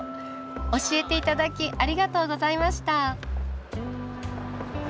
教えて頂きありがとうございました。